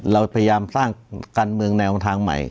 เราพยายามสร้างการเมืองแนวทางใหม่